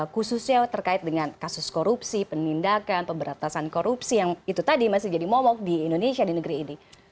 khususnya terkait dengan kasus korupsi penindakan pemberantasan korupsi yang itu tadi masih jadi momok di indonesia di negeri ini